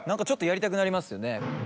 ちょっとやりたくなりますよね。